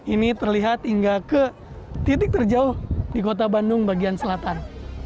ini terlihat hingga ke titik terjauh di kota bandung bagian selatan